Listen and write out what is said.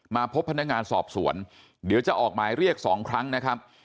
มาพบพนักงานสอบสวนเดี๋ยวจะออกหมายเรียกสองครั้งนะครับ